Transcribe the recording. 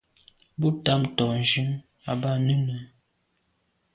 Bo tamtô à jù à b’a nunenùne.